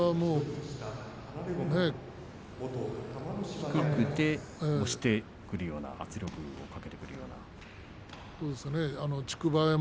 低くて、押してくるような圧力をかけてくるような。